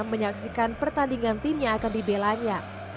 menyaksikan pertandingan timnya akan dibelanya